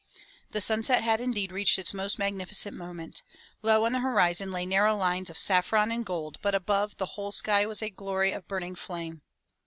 The sunset had indeed reached its most magnificent moment. Low on the horizon lay narrow lines of saffron and gold, but above, the whole sky was a glory of burning flame.